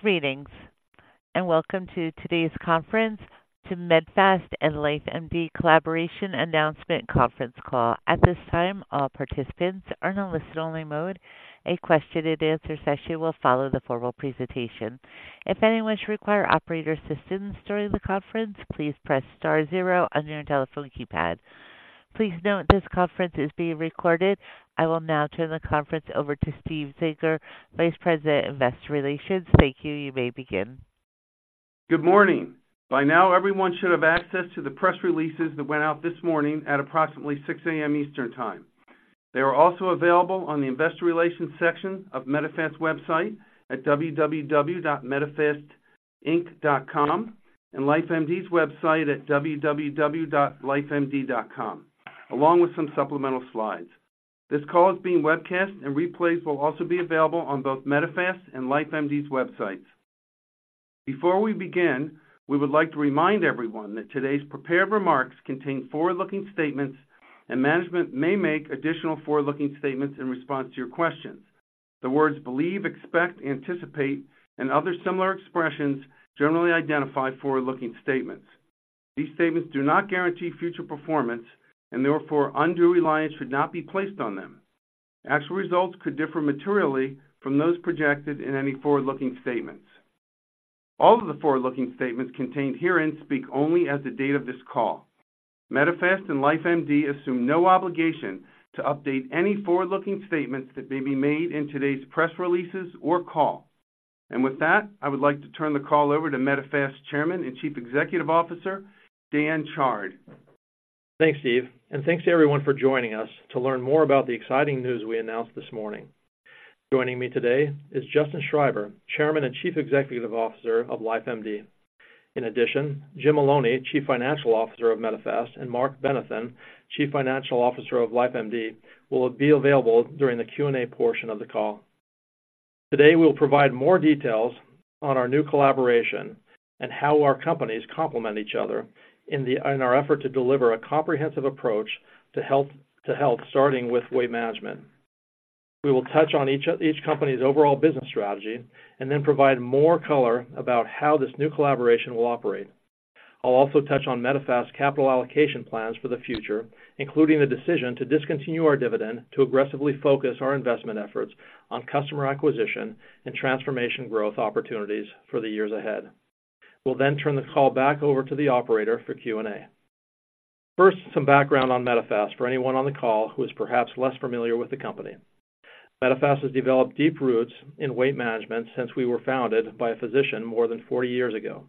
Greetings, and welcome to today's conference, the Medifast and LifeMD collaboration announcement conference call. At this time, all participants are in a listen-only mode. A question-and-answer session will follow the formal presentation. If anyone should require operator assistance during the conference, please press star zero on your telephone keypad. Please note this conference is being recorded. I will now turn the conference over to Steve Zenker, Vice President of Investor Relations. Thank you. You may begin. Good morning. By now, everyone should have access to the press releases that went out this morning at approximately 6 A.M. Eastern Time. They are also available on the Investor Relations section of Medifast website at www.medifastinc.com and LifeMD's website at www.lifemd.com, along with some supplemental slides. This call is being webcast and replays will also be available on both Medifast and LifeMD's websites. Before we begin, we would like to remind everyone that today's prepared remarks contain forward-looking statements, and management may make additional forward-looking statements in response to your questions. The words believe, expect, anticipate, and other similar expressions generally identify forward-looking statements. These statements do not guarantee future performance, and therefore undue reliance should not be placed on them. Actual results could differ materially from those projected in any forward-looking statements. All of the forward-looking statements contained herein speak only as of the date of this call. Medifast and LifeMD assume no obligation to update any forward-looking statements that may be made in today's press releases or call. With that, I would like to turn the call over to Medifast Chairman and Chief Executive Officer, Dan Chard. Thanks, Steve, and thanks to everyone for joining us to learn more about the exciting news we announced this morning. Joining me today is Justin Schreiber, Chairman and Chief Executive Officer of LifeMD. In addition, Jim Maloney, Chief Financial Officer of Medifast, and Marc Benathen, Chief Financial Officer of LifeMD, will be available during the Q&A portion of the call. Today, we'll provide more details on our new collaboration and how our companies complement each other in the, in our effort to deliver a comprehensive approach to health, to health, starting with weight management. We will touch on each, each company's overall business strategy and then provide more color about how this new collaboration will operate. I'll also touch on Medifast's capital allocation plans for the future, including the decision to discontinue our dividend to aggressively focus our investment efforts on customer acquisition and transformation growth opportunities for the years ahead. We'll then turn the call back over to the operator for Q&A. First, some background on Medifast for anyone on the call who is perhaps less familiar with the company. Medifast has developed deep roots in weight management since we were founded by a physician more than 40 years ago.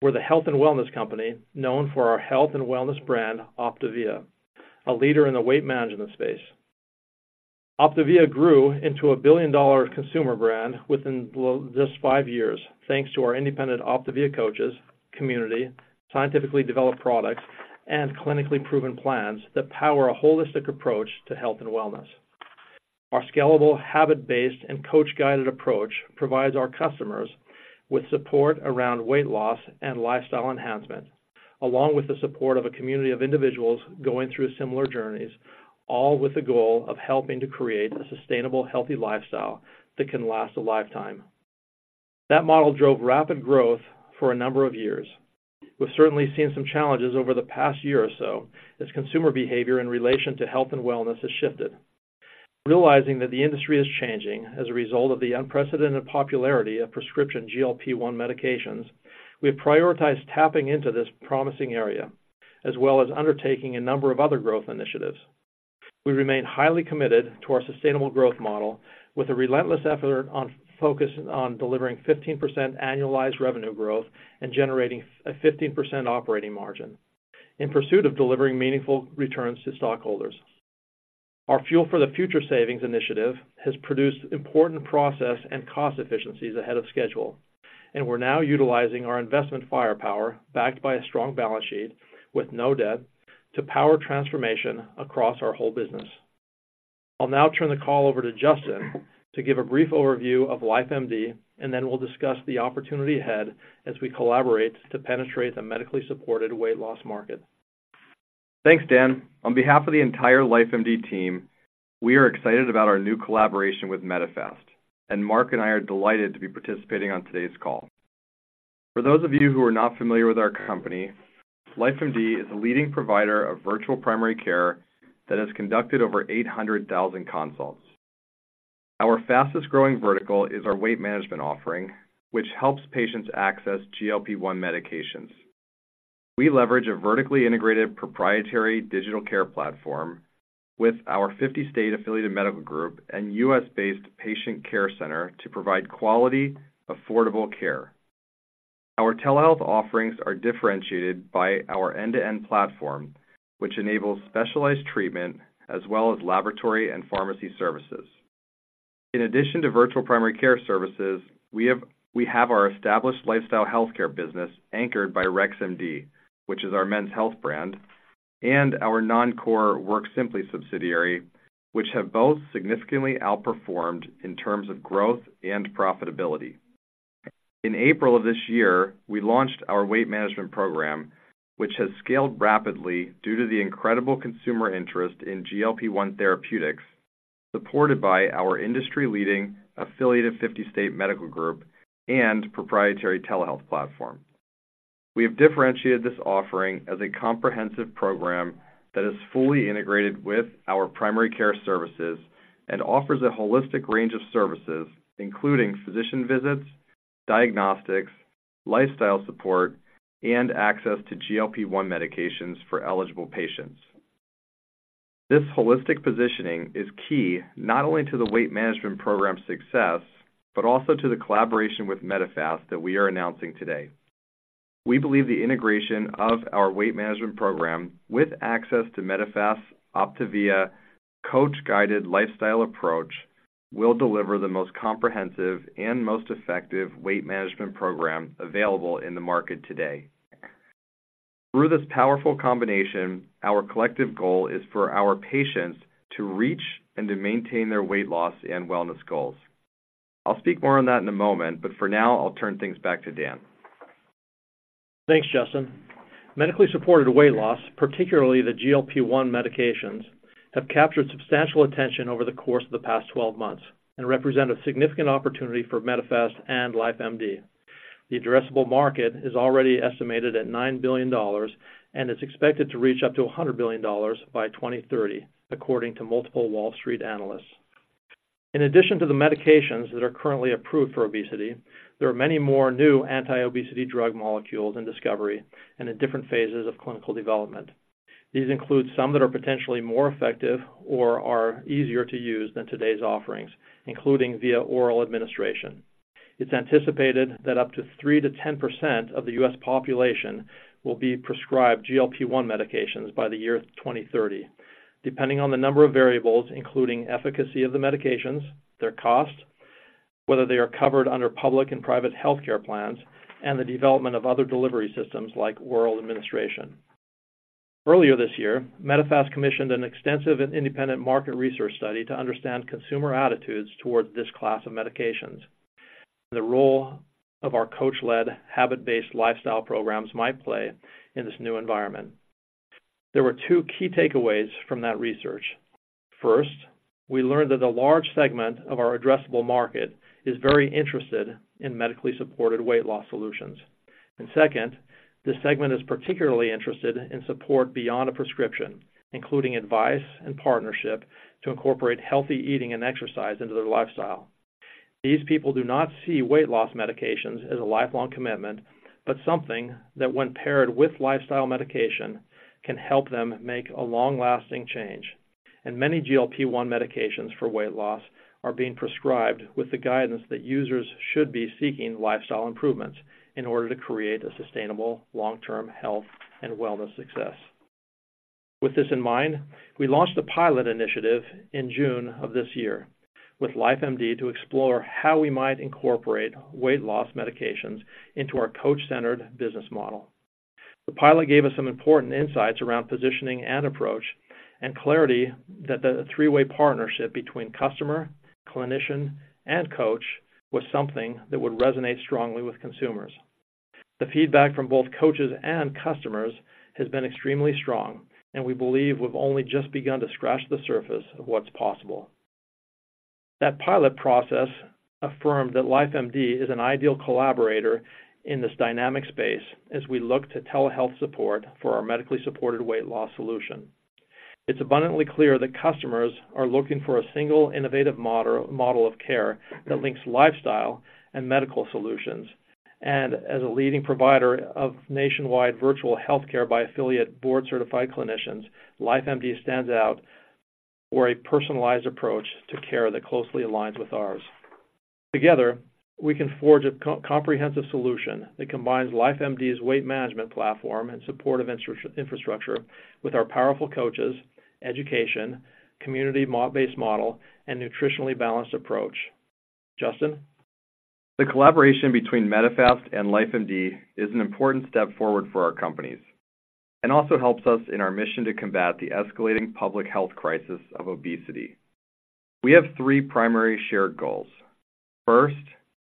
We're the health and wellness company known for our health and wellness brand, OPTAVIA, a leader in the weight management space. OPTAVIA grew into a billion-dollar consumer brand within just five years, thanks to our independent OPTAVIA Coaches, community, scientifically developed products, and clinically proven plans that power a holistic approach to health and wellness. Our scalable, habit-based, and coach-guided approach provides our customers with support around weight loss and lifestyle enhancement, along with the support of a community of individuals going through similar journeys, all with the goal of helping to create a sustainable, healthy lifestyle that can last a lifetime. That model drove rapid growth for a number of years. We've certainly seen some challenges over the past year or so as consumer behavior in relation to health and wellness has shifted. Realizing that the industry is changing as a result of the unprecedented popularity of prescription GLP-1 medications, we've prioritized tapping into this promising area, as well as undertaking a number of other growth initiatives. We remain highly committed to our sustainable growth model, with a relentless effort on focus on delivering 15% annualized revenue growth and generating a 15% operating margin in pursuit of delivering meaningful returns to stockholders. Our Fuel for the Future savings initiative has produced important process and cost efficiencies ahead of schedule, and we're now utilizing our investment firepower, backed by a strong balance sheet with no debt, to power transformation across our whole business. I'll now turn the call over to Justin to give a brief overview of LifeMD, and then we'll discuss the opportunity ahead as we collaborate to penetrate the medically supported weight loss market. Thanks, Dan. On behalf of the entire LifeMD team, we are excited about our new collaboration with Medifast, and Marc and I are delighted to be participating on today's call. For those of you who are not familiar with our company, LifeMD is a leading provider of virtual primary care that has conducted over 800,000 consults. Our fastest-growing vertical is our weight management offering, which helps patients access GLP-1 medications. We leverage a vertically integrated proprietary digital care platform with our 50-state affiliated medical group and U.S.-based patient care center to provide quality, affordable care. Our telehealth offerings are differentiated by our end-to-end platform, which enables specialized treatment as well as laboratory and pharmacy services. In addition to virtual primary care services, we have our established lifestyle healthcare business anchored by RexMD, which is our men's health brand, and our non-core WorkSimpli subsidiary, which have both significantly outperformed in terms of growth and profitability. In April of this year, we launched our weight management program, which has scaled rapidly due to the incredible consumer interest in GLP-1 therapeutics, supported by our industry-leading affiliated 50-state medical group and proprietary telehealth platform. We have differentiated this offering as a comprehensive program that is fully integrated with our primary care services and offers a holistic range of services, including physician visits, diagnostics, lifestyle support, and access to GLP-1 medications for eligible patients. This holistic positioning is key, not only to the weight management program's success, but also to the collaboration with Medifast that we are announcing today. We believe the integration of our weight management program, with access to Medifast's OPTAVIA Coach-guided lifestyle approach, will deliver the most comprehensive and most effective weight management program available in the market today. Through this powerful combination, our collective goal is for our patients to reach and to maintain their weight loss and wellness goals. I'll speak more on that in a moment, but for now, I'll turn things back to Dan. Thanks, Justin. Medically supported weight loss, particularly the GLP-1 medications, have captured substantial attention over the course of the past 12 months and represent a significant opportunity for Medifast and LifeMD. The addressable market is already estimated at $9 billion and is expected to reach up to $100 billion by 2030, according to multiple Wall Street analysts. In addition to the medications that are currently approved for obesity, there are many more new anti-obesity drug molecules in discovery and in different phases of clinical development. These include some that are potentially more effective or are easier to use than today's offerings, including via oral administration. It's anticipated that up to 3%-10% of the U.S. population will be prescribed GLP-1 medications by the year 2030, depending on the number of variables, including efficacy of the medications, their cost, whether they are covered under public and private healthcare plans, and the development of other delivery systems like oral administration. Earlier this year, Medifast commissioned an extensive and independent market research study to understand consumer attitudes towards this class of medications. The role of our coach-led, habit-based lifestyle programs might play in this new environment. There were two key takeaways from that research. First, we learned that a large segment of our addressable market is very interested in medically supported weight loss solutions. And second, this segment is particularly interested in support beyond a prescription, including advice and partnership, to incorporate healthy eating and exercise into their lifestyle. These people do not see weight loss medications as a lifelong commitment, but something that, when paired with lifestyle medication, can help them make a long-lasting change. Many GLP-1 medications for weight loss are being prescribed with the guidance that users should be seeking lifestyle improvements in order to create a sustainable long-term health and wellness success. With this in mind, we launched a pilot initiative in June of this year with LifeMD to explore how we might incorporate weight loss medications into our coach-centered business model. The pilot gave us some important insights around positioning and approach, and clarity that the three-way partnership between customer, clinician, and coach was something that would resonate strongly with consumers. The feedback from both coaches and customers has been extremely strong, and we believe we've only just begun to scratch the surface of what's possible. That pilot process affirmed that LifeMD is an ideal collaborator in this dynamic space as we look to telehealth support for our medically supported weight loss solution. It's abundantly clear that customers are looking for a single innovative model, model of care that links lifestyle and medical solutions. As a leading provider of nationwide virtual healthcare by affiliate board-certified clinicians, LifeMD stands out for a personalized approach to care that closely aligns with ours. Together, we can forge a comprehensive solution that combines LifeMD's weight management platform and supportive infrastructure with our powerful coaches, education, community-based model, and nutritionally balanced approach. Justin? The collaboration between Medifast and LifeMD is an important step forward for our companies and also helps us in our mission to combat the escalating public health crisis of obesity. We have three primary shared goals. First,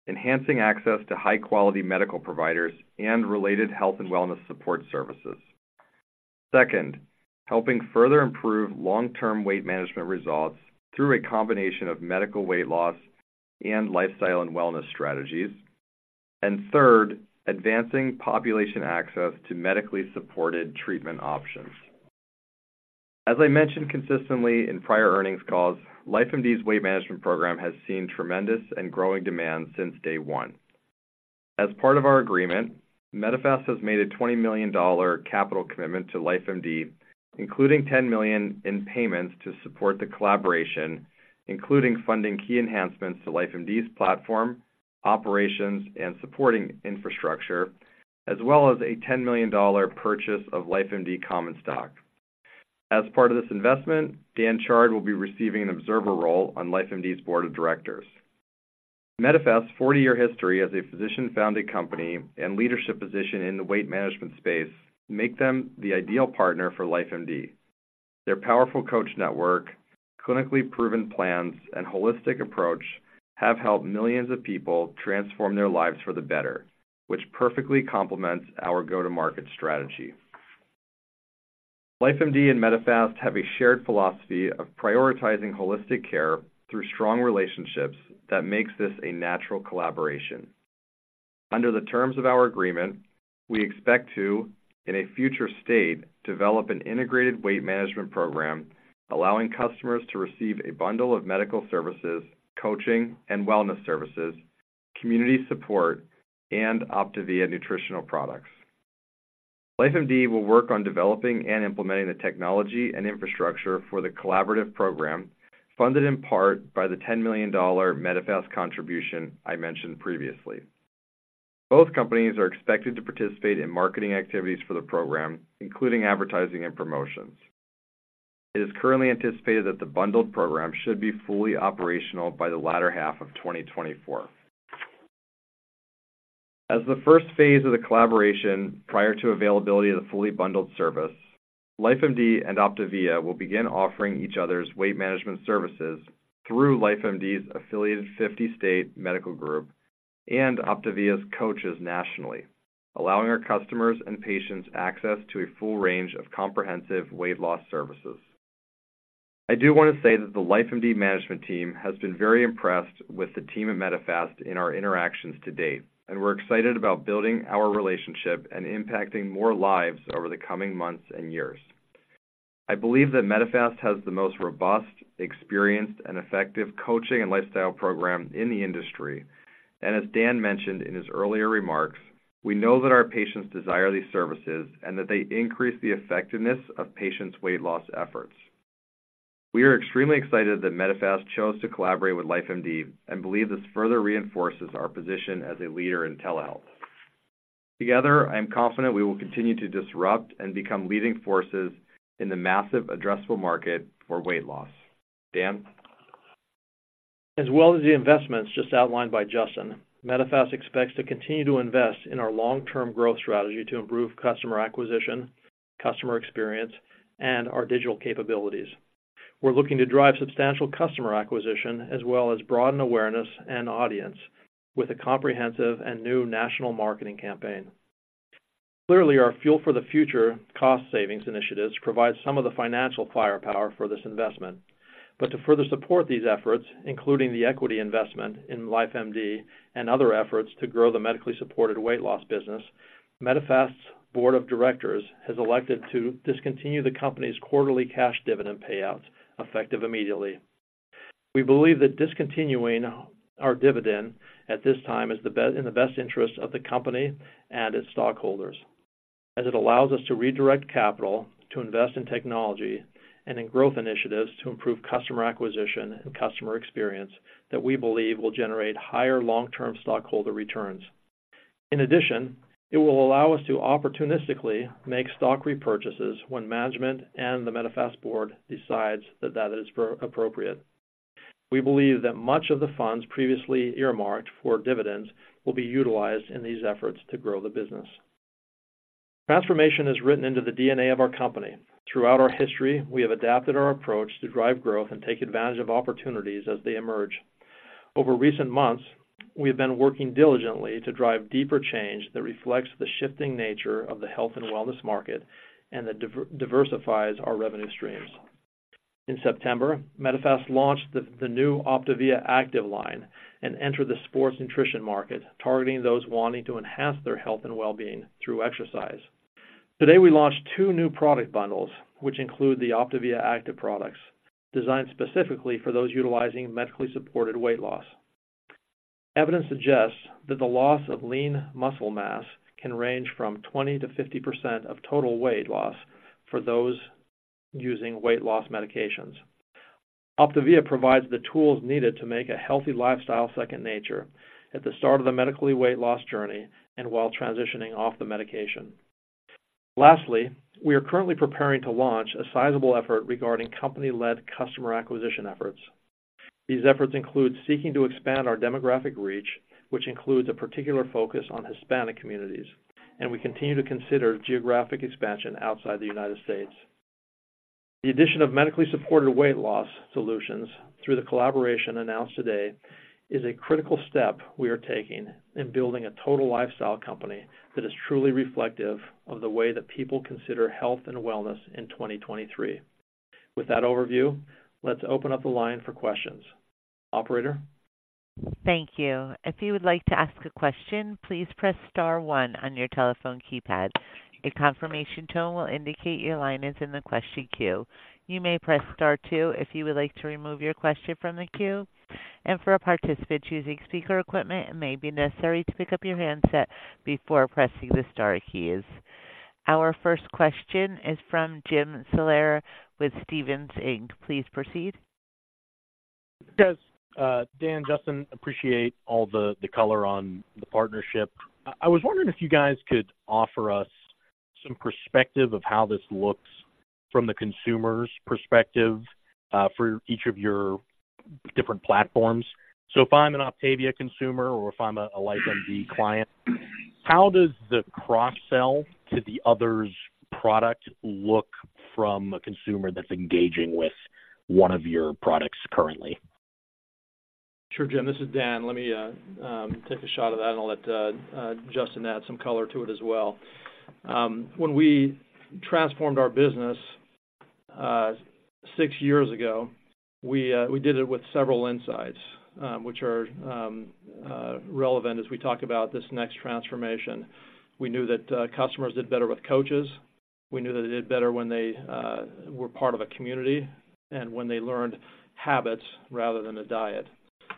enhancing access to high-quality medical providers and related health and wellness support services. Second, helping further improve long-term weight management results through a combination of medical weight loss and lifestyle and wellness strategies. And third, advancing population access to medically supported treatment options. As I mentioned consistently in prior earnings calls, LifeMD's weight management program has seen tremendous and growing demand since day one. As part of our agreement, Medifast has made a $20 million capital commitment to LifeMD, including $10 million in payments to support the collaboration, including funding key enhancements to LifeMD's platform, operations, and supporting infrastructure, as well as a $10 million purchase of LifeMD common stock. As part of this investment, Dan Chard will be receiving an observer role on LifeMD's Board of Directors. Medifast's 40-year history as a physician-founded company and leadership position in the weight management space make them the ideal partner for LifeMD.... Their powerful coach network, clinically proven plans, and holistic approach have helped millions of people transform their lives for the better, which perfectly complements our go-to-market strategy. LifeMD and Medifast have a shared philosophy of prioritizing holistic care through strong relationships that makes this a natural collaboration. Under the terms of our agreement, we expect to, in a future state, develop an integrated weight management program, allowing customers to receive a bundle of medical services, coaching and wellness services, community support, and OPTAVIA nutritional products. LifeMD will work on developing and implementing the technology and infrastructure for the collaborative program, funded in part by the $10 million Medifast contribution I mentioned previously. Both companies are expected to participate in marketing activities for the program, including advertising and promotions. It is currently anticipated that the bundled program should be fully operational by the latter half of 2024. As the first phase of the collaboration, prior to availability of the fully bundled service, LifeMD and OPTAVIA will begin offering each other's weight management services through LifeMD's affiliated 50-state medical group OPTAVIA's Coaches nationally, allowing our customers and patients access to a full range of comprehensive weight loss services. I do want to say that the LifeMD management team has been very impressed with the team at Medifast in our interactions to date, and we're excited about building our relationship and impacting more lives over the coming months and years. I believe that Medifast has the most robust, experienced, and effective coaching and lifestyle program in the industry. And as Dan mentioned in his earlier remarks, we know that our patients desire these services and that they increase the effectiveness of patients' weight loss efforts. We are extremely excited that Medifast chose to collaborate with LifeMD and believe this further reinforces our position as a leader in telehealth. Together, I am confident we will continue to disrupt and become leading forces in the massive addressable market for weight loss. Dan? As well as the investments just outlined by Justin, Medifast expects to continue to invest in our long-term growth strategy to improve customer acquisition, customer experience, and our digital capabilities. We're looking to drive substantial customer acquisition as well as broaden awareness and audience with a comprehensive and new national marketing campaign. Clearly, our Fuel for the Future cost savings initiatives provide some of the financial firepower for this investment. But to further support these efforts, including the equity investment in LifeMD and other efforts to grow the medically supported weight loss business, Medifast's Board of Directors has elected to discontinue the company's quarterly cash dividend payouts, effective immediately. We believe that discontinuing our dividend at this time is the best, in the best interest of the company and its stockholders, as it allows us to redirect capital to invest in technology and in growth initiatives to improve customer acquisition and customer experience that we believe will generate higher long-term stockholder returns. In addition, it will allow us to opportunistically make stock repurchases when management and the Medifast board decides that that is appropriate. We believe that much of the funds previously earmarked for dividends will be utilized in these efforts to grow the business. Transformation is written into the DNA of our company. Throughout our history, we have adapted our approach to drive growth and take advantage of opportunities as they emerge. Over recent months, we have been working diligently to drive deeper change that reflects the shifting nature of the health and wellness market and that diversifies our revenue streams. In September, Medifast launched the new OPTAVIA Active line and entered the sports nutrition market, targeting those wanting to enhance their health and well-being through exercise. Today, we launched two new product bundles, which include the OPTAVIA Active products, designed specifically for those utilizing medically supported weight loss. Evidence suggests that the loss of lean muscle mass can range from 20%-50% of total weight loss for those using weight loss medications. OPTAVIA provides the tools needed to make a healthy lifestyle second nature at the start of the medically supported weight loss journey and while transitioning off the medication. Lastly, we are currently preparing to launch a sizable effort regarding company-led customer acquisition efforts. These efforts include seeking to expand our demographic reach, which includes a particular focus on Hispanic communities, and we continue to consider geographic expansion outside the United States. The addition of medically supported weight loss solutions through the collaboration announced today is a critical step we are taking in building a total lifestyle company that is truly reflective of the way that people consider health and wellness in 2023. With that overview, let's open up the line for questions. Operator? Thank you. If you would like to ask a question, please press star one on your telephone keypad. A confirmation tone will indicate your line is in the question queue. You may press star two if you would like to remove your question from the queue, and for a participant choosing speaker equipment, it may be necessary to pick up your handset before pressing the star keys. Our first question is from Jim Salera with Stephens Inc. Please proceed. Yes, Dan, Justin, appreciate all the color on the partnership. I was wondering if you guys could offer us some perspective of how this looks from the consumer's perspective for each of your different platforms. So if I'm an OPTAVIA consumer or if I'm a LifeMD client, how does the cross-sell to the other's product look from a consumer that's engaging with one of your products currently? Sure, Jim, this is Dan. Let me take a shot at that, and I'll let Justin add some color to it as well. When we transformed our business six years ago, we did it with several insights, which are relevant as we talk about this next transformation. We knew that customers did better with coaches. We knew that they did better when they were part of a community and when they learned habits rather than a diet.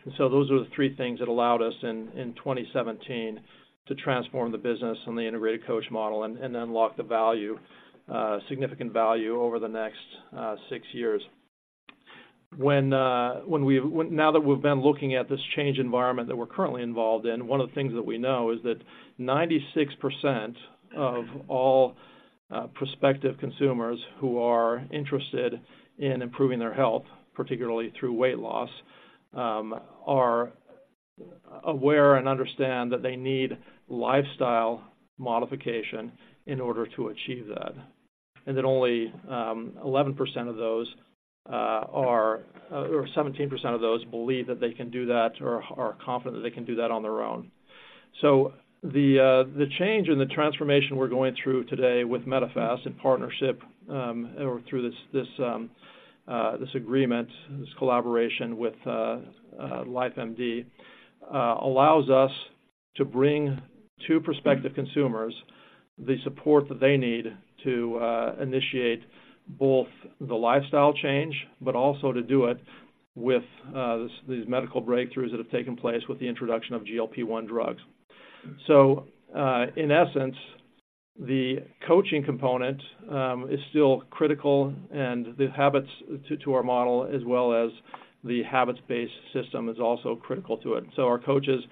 And so those were the three things that allowed us in 2017 to transform the business and the integrated coach model and unlock the value, significant value over the next six years. Now that we've been looking at this change environment that we're currently involved in, one of the things that we know is that 96% of all prospective consumers who are interested in improving their health, particularly through weight loss, are aware and understand that they need lifestyle modification in order to achieve that, and that only 11% of those, or 17% of those believe that they can do that or are confident that they can do that on their own. So the change and the transformation we're going through today with Medifast in partnership or through this agreement, this collaboration with LifeMD allows us to bring two prospective consumers the support that they need to initiate both the lifestyle change, but also to do it with these medical breakthroughs that have taken place with the introduction of GLP-1 drugs. So, in essence, the coaching component is still critical, and the habits to our model as well as the habits-based system is also critical to it. So our coaches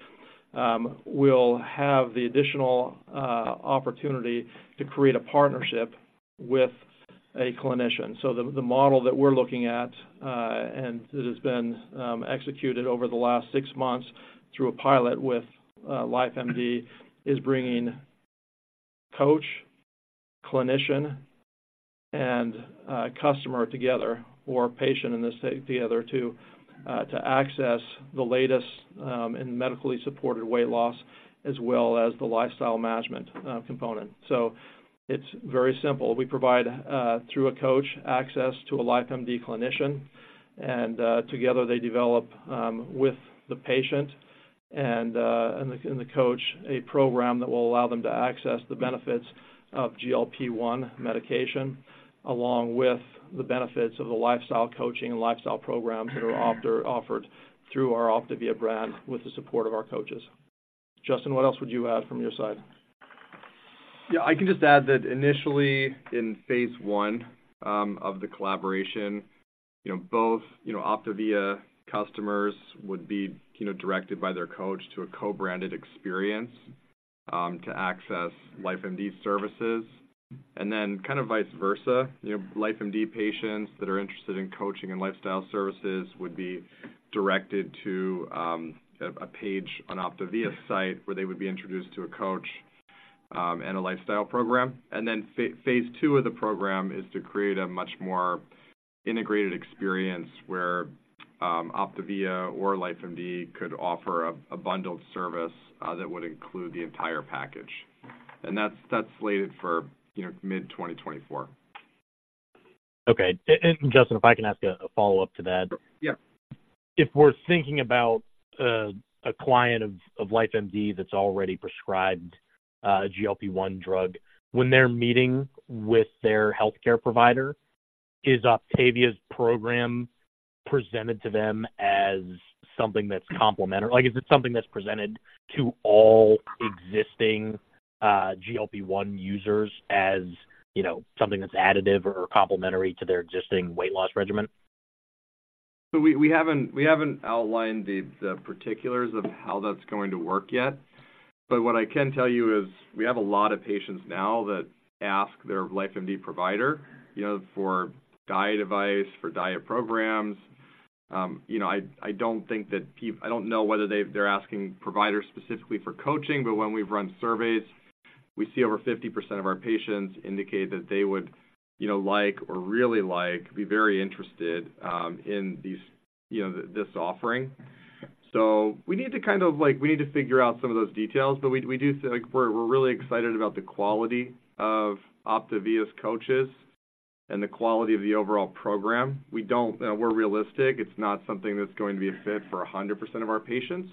will have the additional opportunity to create a partnership with a clinician. So the model that we're looking at, and it has been executed over the last six months through a pilot with LifeMD, is bringing coach, clinician, and customer together or patient in this together to access the latest in medically supported weight loss as well as the lifestyle management component. So it's very simple. We provide through a coach access to a LifeMD clinician, and together they develop with the patient and the coach a program that will allow them to access the benefits of GLP-1 medication, along with the benefits of the lifestyle coaching and lifestyle programs that are offered through our OPTAVIA brand with the support of our coaches. Justin, what else would you add from your side? Yeah, I can just add that initially in phase I of the collaboration, you know, both, you know, OPTAVIA customers would be, you know, directed by their coach to a co-branded experience to access LifeMD services. And then kind of vice versa, you know, LifeMD patients that are interested in coaching and lifestyle services would be directed to a page on OPTAVIA's site, where they would be introduced to a coach and a lifestyle program. And then phase II of the program is to create a much more integrated experience where OPTAVIA or LifeMD could offer a bundled service that would include the entire package. And that's slated for, you know, mid-2024. Okay. And Justin, if I can ask a follow-up to that? Yeah. If we're thinking about a client of LifeMD that's already prescribed a GLP-1 drug, when they're meeting with their healthcare provider, is OPTAVIA's program presented to them as something that's complementary? Like, is it something that's presented to all existing GLP-1 users as, you know, something that's additive or complementary to their existing weight loss regimen? So we haven't outlined the particulars of how that's going to work yet. But what I can tell you is we have a lot of patients now that ask their LifeMD provider, you know, for diet advice, for diet programs. You know, I don't think that people. I don't know whether they're asking providers specifically for coaching, but when we've run surveys, we see over 50% of our patients indicate that they would, you know, like or really like, be very interested in these, you know, this offering. So we need to kind of like, we need to figure out some of those details, but we like, we're really excited about the quality OPTAVIA's Coaches and the quality of the overall program. We don't. We're realistic. It's not something that's going to be a fit for 100% of our patients.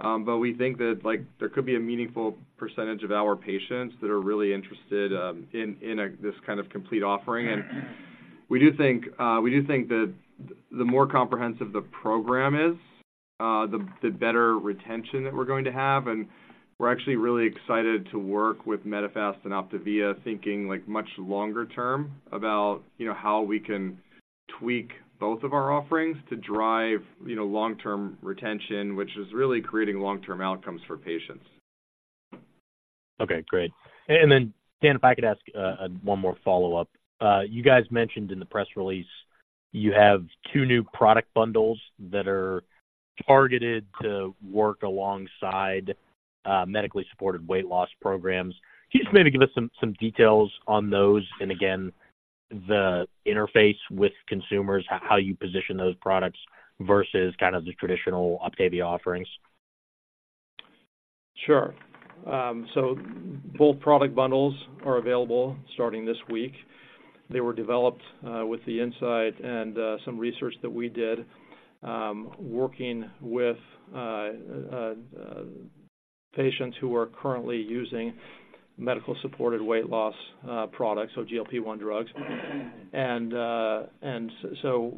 But we think that, like, there could be a meaningful percentage of our patients that are really interested in a this kind of complete offering. And we do think we do think that the more comprehensive the program is, the better retention that we're going to have. And we're actually really excited to work with Medifast and OPTAVIA, thinking, like, much longer term about, you know, how we can tweak both of our offerings to drive, you know, long-term retention, which is really creating long-term outcomes for patients.... Okay, great. And then, Dan, if I could ask, one more follow-up. You guys mentioned in the press release, you have two new product bundles that are targeted to work alongside, medically supported weight loss programs. Can you just maybe give us some, some details on those, and again, the interface with consumers, how you position those products versus kind of the traditional OPTAVIA offerings? Sure. So both product bundles are available starting this week. They were developed with the insight and some research that we did, working with patients who are currently using medically supported weight loss products, so GLP-1 drugs. And so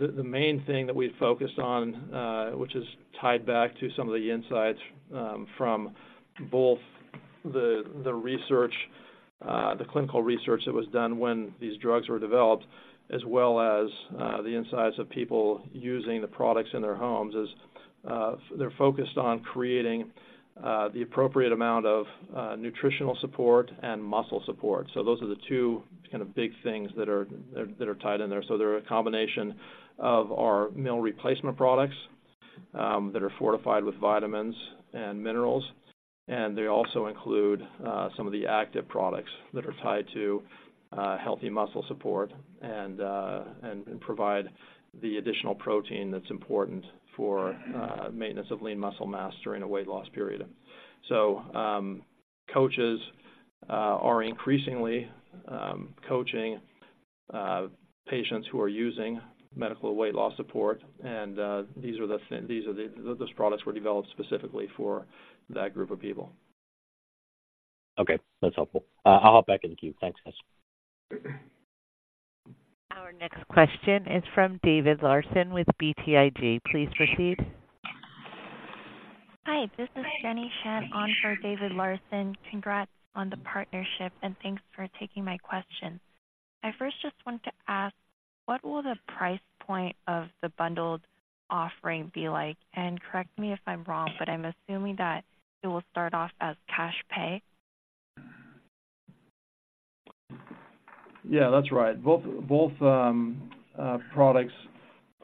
the main thing that we focused on, which is tied back to some of the insights from both the research, the clinical research that was done when these drugs were developed, as well as the insights of people using the products in their homes, is they're focused on creating the appropriate amount of nutritional support and muscle support. So those are the two kind of big things that are tied in there. So they're a combination of our meal replacement products that are fortified with vitamins and minerals, and they also include some of the active products that are tied to healthy muscle support and provide the additional protein that's important for maintenance of lean muscle mass during a weight loss period. So coaches are increasingly coaching patients who are using medical weight loss support, and those products were developed specifically for that group of people. Okay, that's helpful. I'll hop back in the queue. Thanks, guys. Our next question is from David Larson with BTIG. Please proceed. Hi, this is Jenny Shen on for David Larson. Congrats on the partnership, and thanks for taking my question. I first just wanted to ask, what will the price point of the bundled offering be like? And correct me if I'm wrong, but I'm assuming that it will start off as cash pay. Yeah, that's right. Both products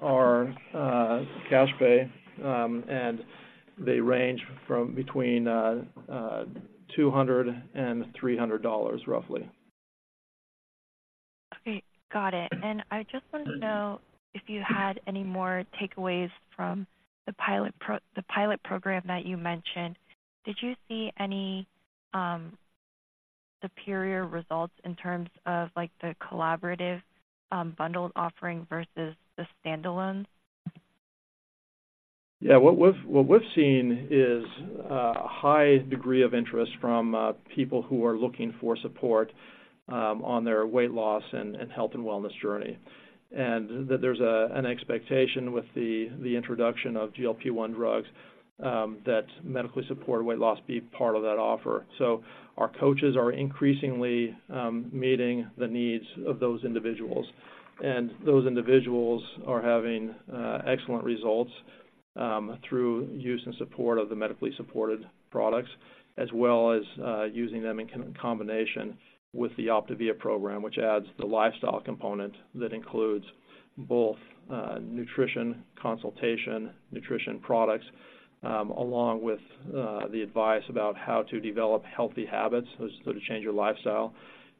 are cash pay, and they range from between $200 and $300, roughly. Okay, got it. I just wanted to know if you had any more takeaways from the pilot program that you mentioned. Did you see any superior results in terms of, like, the collaborative bundled offering versus the standalone? Yeah. What we've seen is a high degree of interest from people who are looking for support on their weight loss and health and wellness journey. And that there's an expectation with the introduction of GLP-1 drugs that medically supported weight loss be part of that offer. So our coaches are increasingly meeting the needs of those individuals, and those individuals are having excellent results through use and support of the medically supported products, as well as using them in combination with the OPTAVIA program, which adds the lifestyle component that includes both nutrition consultation, nutrition products, along with the advice about how to develop healthy habits, so to change your lifestyle.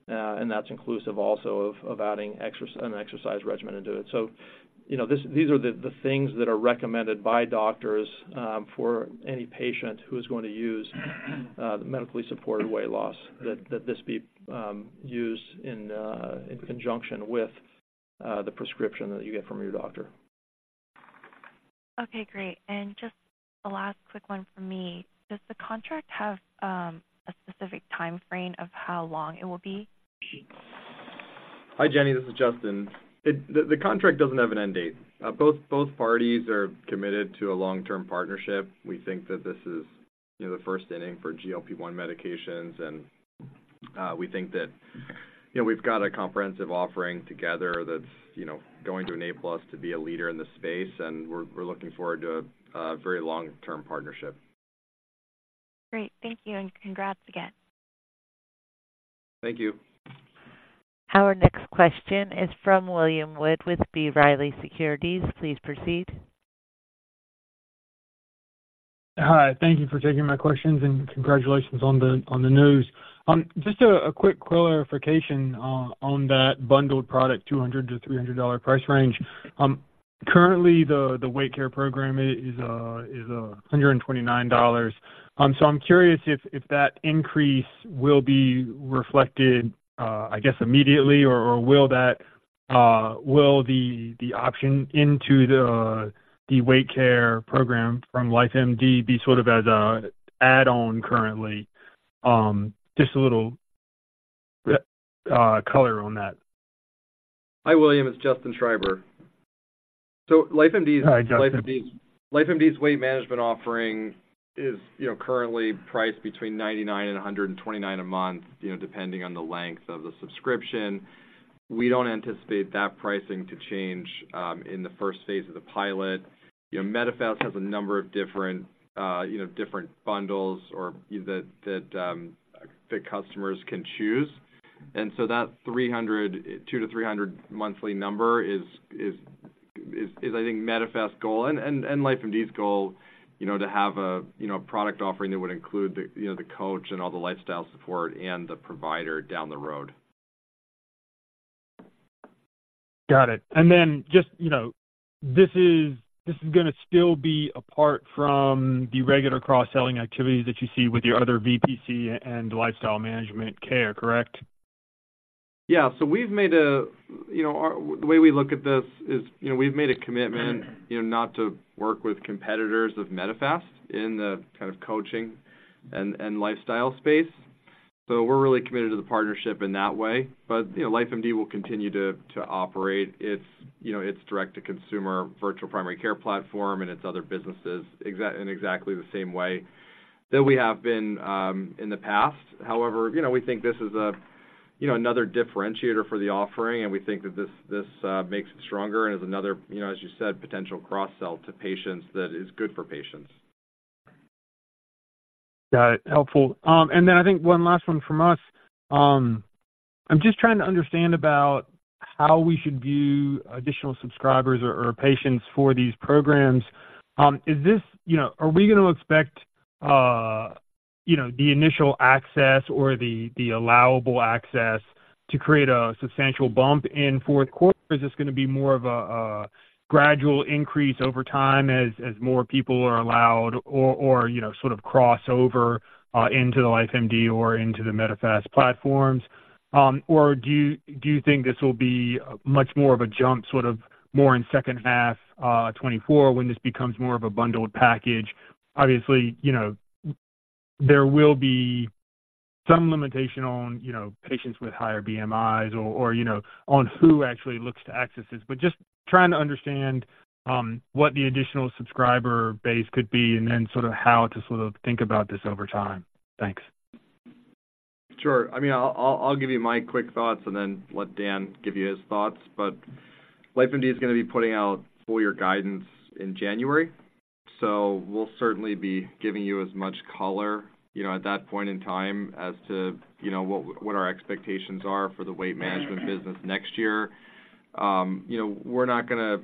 And that's inclusive also of adding exercise, an exercise regimen into it. So, you know, these are the things that are recommended by doctors, for any patient who is going to use the medically supported weight loss, that this be used in conjunction with the prescription that you get from your doctor. Okay, great. And just a last quick one from me. Does the contract have a specific time frame of how long it will be? Hi, Jenny, this is Justin. The contract doesn't have an end date. Both parties are committed to a long-term partnership. We think that this is, you know, the first inning for GLP-1 medications, and we think that, you know, we've got a comprehensive offering together that's, you know, going to enable us to be a leader in this space, and we're looking forward to a very long-term partnership. Great. Thank you, and congrats again. Thank you. Our next question is from William Wood with B. Riley Securities. Please proceed. Hi, thank you for taking my questions, and congratulations on the news. Just a quick clarification on that bundled product, $200-$300 price range. Currently, the Weight Care Program is $129. So I'm curious if that increase will be reflected, I guess, immediately, or will the option into the Weight Care Program from LifeMD be sort of as an add-on currently? Just a little color on that. Hi, William, it's Justin Schreiber. So LifeMD's- Hi, Justin. LifeMD's weight management offering is, you know, currently priced between $99 and $129 a month, you know, depending on the length of the subscription. We don't anticipate that pricing to change in the first phase of the pilot. You know, Medifast has a number of different, you know, different bundles or that customers can choose. And so that 200-300 monthly number is, I think, Medifast's goal and LifeMD's goal, you know, to have a, you know, product offering that would include the, you know, the coach and all the lifestyle support and the provider down the road. Got it. And then just, you know, this is gonna still be apart from the regular cross-selling activities that you see with your other VPC and lifestyle management care, correct? Yeah. So we've made a, you know, the way we look at this is, you know, we've made a commitment, you know, not to work with competitors of Medifast in the kind of coaching and lifestyle space. So we're really committed to the partnership in that way. But, you know, LifeMD will continue to operate its, you know, its direct-to-consumer virtual primary care platform and its other businesses in exactly the same way that we have been in the past. However, you know, we think this is a, you know, another differentiator for the offering, and we think that this makes it stronger and is another, you know, as you said, potential cross-sell to patients that is good for patients. Got it. Helpful. Then I think one last one from us. I'm just trying to understand about how we should view additional subscribers or patients for these programs. Is this, you know, are we gonna expect the initial access or the allowable access to create a substantial bump in fourth quarter? Or is this gonna be more of a gradual increase over time as more people are allowed or, you know, sort of cross over into the LifeMD or into the Medifast platforms? Or do you think this will be much more of a jump, sort of more in second half 2024, when this becomes more of a bundled package? Obviously, you know, there will be some limitation on, you know, patients with higher BMIs or, or, you know, on who actually looks to access this. But just trying to understand what the additional subscriber base could be and then sort of how to sort of think about this over time. Thanks. Sure. I mean, I'll give you my quick thoughts and then let Dan give you his thoughts. But LifeMD is gonna be putting out full year guidance in January, so we'll certainly be giving you as much color, you know, at that point in time as to, you know, what our expectations are for the weight management business next year. You know, we're not gonna...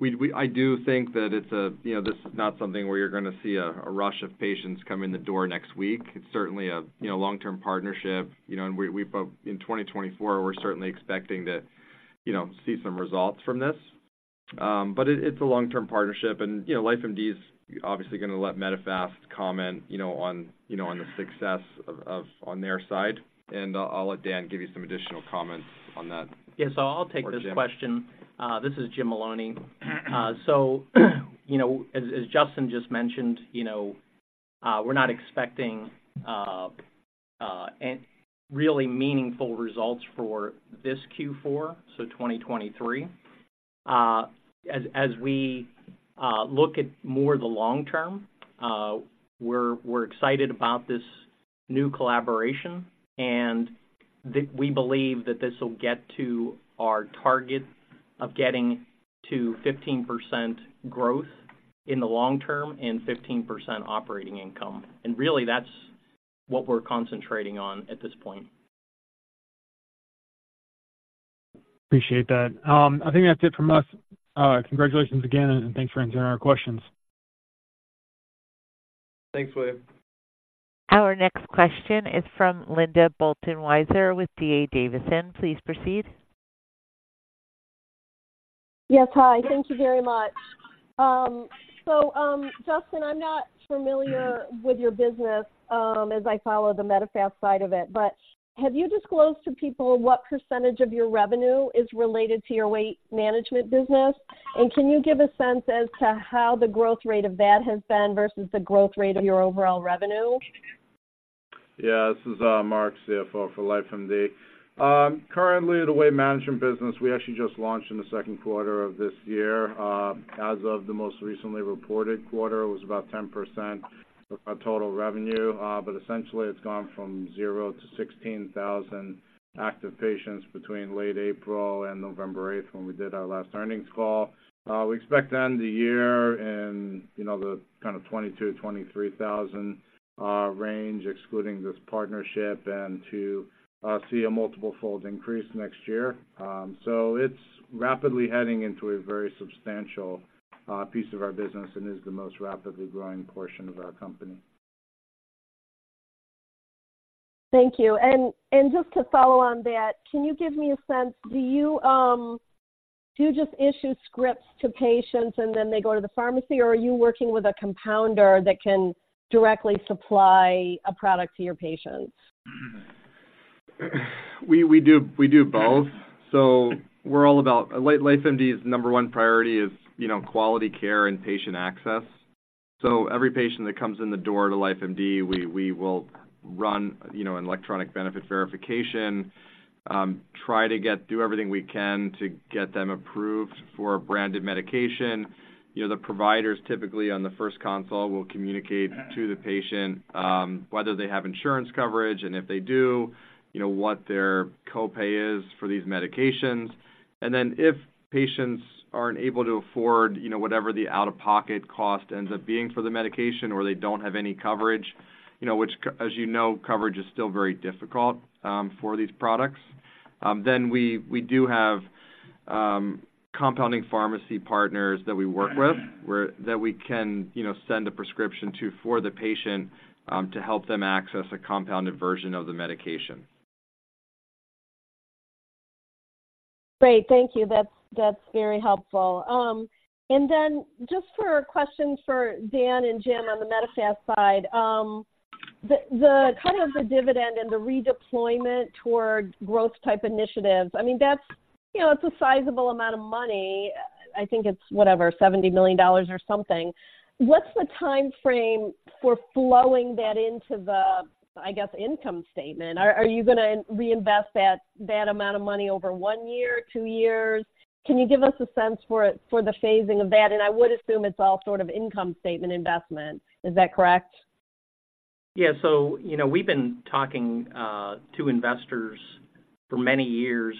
We-- I do think that it's a, you know, this is not something where you're gonna see a rush of patients come in the door next week. It's certainly a, you know, long-term partnership, you know, and we-- but in 2024, we're certainly expecting to, you know, see some results from this. But it's a long-term partnership and, you know, LifeMD is obviously gonna let Medifast comment, you know, on, you know, on the success of on their side. And I'll let Dan give you some additional comments on that. Yes, I'll take this question. This is Jim Maloney. So, you know, as Justin just mentioned, you know, we're not expecting a really meaningful results for this Q4, so 2023. As we look at more the long term, we're excited about this new collaboration, and that we believe that this will get to our target of getting to 15% growth in the long term and 15% operating income. And really, that's what we're concentrating on at this point. Appreciate that. I think that's it from us. Congratulations again, and thanks for answering our questions. Thanks, Will. Our next question is from Linda Bolton Weiser with D.A. Davidson. Please proceed. Yes, hi. Thank you very much. So, Justin, I'm not familiar with your business, as I follow the Medifast side of it, but have you disclosed to people what percentage of your revenue is related to your weight management business? Can you give a sense as to how the growth rate of that has been versus the growth rate of your overall revenue? Yeah. This is, Marc, CFO for LifeMD. Currently, the weight management business, we actually just launched in the second quarter of this year. As of the most recently reported quarter, it was about 10% of our total revenue, but essentially, it's gone from zero to 16,000 active patients between late April and November 8th, when we did our last earnings call. We expect to end the year in, you know, the kind of 22,000-23,000, range, excluding this partnership, and to, see a multiple fold increase next year. So it's rapidly heading into a very substantial, piece of our business and is the most rapidly growing portion of our company. Thank you. And just to follow on that, can you give me a sense, do you just issue scripts to patients and then they go to the pharmacy, or are you working with a compounder that can directly supply a product to your patients? We do both. So we're all about LifeMD's number one priority, you know, quality care and patient access.... So every patient that comes in the door to LifeMD, we will run, you know, an electronic benefit verification, try to get, do everything we can to get them approved for branded medication. You know, the providers typically on the first consult, will communicate to the patient, whether they have insurance coverage, and if they do, you know, what their copay is for these medications. And then if patients aren't able to afford, you know, whatever the out-of-pocket cost ends up being for the medication, or they don't have any coverage, you know, which, as you know, coverage is still very difficult, for these products. Then we do have compounding pharmacy partners that we work with, that we can, you know, send a prescription to, for the patient, to help them access a compounded version of the medication. Great. Thank you. That's very helpful. And then just for a question for Dan and Jim on the Medifast side. The kind of the dividend and the redeployment towards growth type initiatives, I mean, that's, you know, it's a sizable amount of money. I think it's whatever, $70 million or something. What's the timeframe for flowing that into the, I guess, income statement? Are you gonna reinvest that amount of money over one year, two years? Can you give us a sense for the phasing of that? And I would assume it's all sort of income statement investment. Is that correct? Yeah. So, you know, we've been talking to investors for many years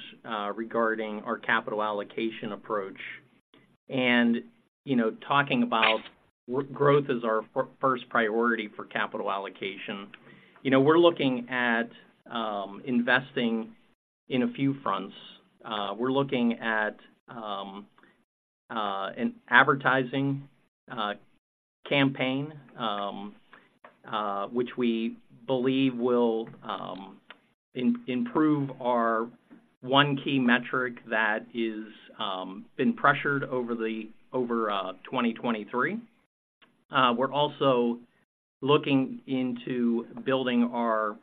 regarding our capital allocation approach. And, you know, talking about growth as our first priority for capital allocation. You know, we're looking at investing in a few fronts. We're looking at an advertising campaign which we believe will improve our one key metric that is been pressured over 2023. We're also looking into building our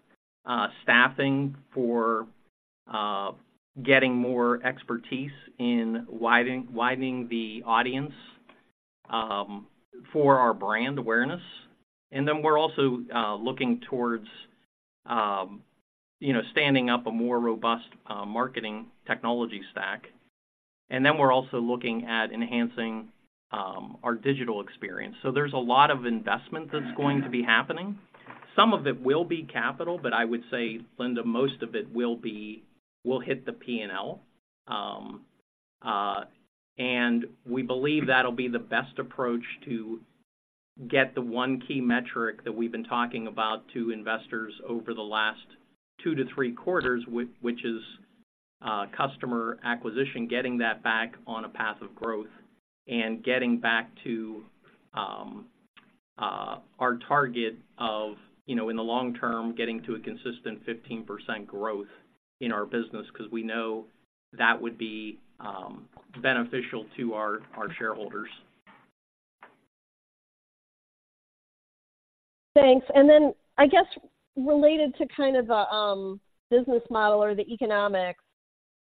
staffing for getting more expertise in widening the audience for our brand awareness. And then we're also looking towards, you know, standing up a more robust marketing technology stack. And then we're also looking at enhancing our digital experience. So there's a lot of investment that's going to be happening. Some of it will be capital, but I would say, Linda, most of it will be, will hit the P&L. And we believe that'll be the best approach to get the one key metric that we've been talking about to investors over the last 2-3 quarters, which is customer acquisition, getting that back on a path of growth and getting back to our target of, you know, in the long term, getting to a consistent 15% growth in our business, 'cause we know that would be beneficial to our shareholders. Thanks. Then, I guess, related to kind of the business model or the economics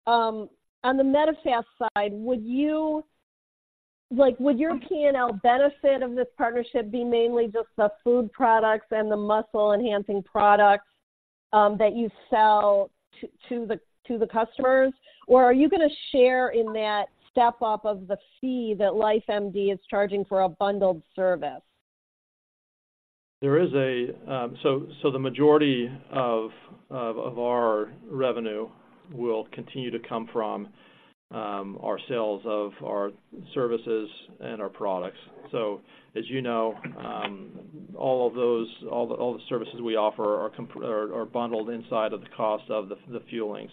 on the Medifast side, would you—like, would your P&L benefit of this partnership be mainly just the food products and the muscle-enhancing products that you sell to the customers? Or are you gonna share in that step-up of the fee that LifeMD is charging for a bundled service? So the majority of our revenue will continue to come from our sales of our services and our products. So as you know, all of those, all the services we offer are bundled inside of the cost of the Fuelings.